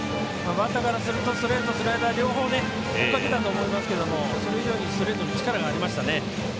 バッターからするとストレート、スライダー両方追いかけたと思いますがそれ以上にストレートに力がありましたね。